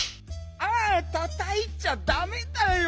あったたいちゃダメだよ。